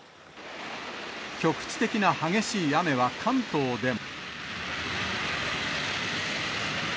局地的な激しい雨は関東でも。